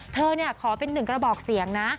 ขอเป็นหนึ่งกระบอกเสียงนะ